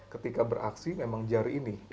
ketika beraksi memang jari ini